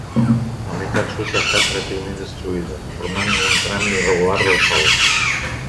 La meitat sud ha estat pràcticament destruïda, formant un tram irregular del sòl.